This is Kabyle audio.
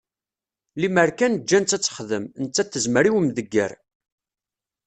Lemmer kan ǧǧan-tt ad texdem, nettat tezmer i umdegger.